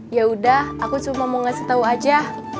yaudah aku cuma mau ngasih tau aja